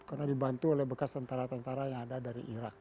karena dibantu oleh bekas tentara tentara yang ada dari iraq